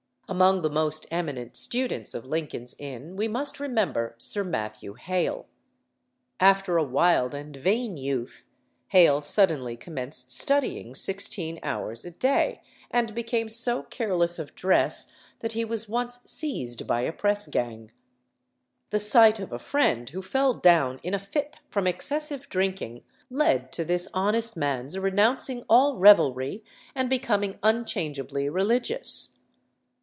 Among the most eminent students of Lincoln's Inn we must remember Sir Matthew Hale. After a wild and vain youth, Hale suddenly commenced studying sixteen hours a day, and became so careless of dress that he was once seized by a pressgang. The sight of a friend who fell down in a fit from excessive drinking led to this honest man's renouncing all revelry and becoming unchangeably religious.